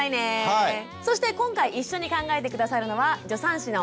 そして今回一緒に考えて下さるのは助産師の市川香織さんです。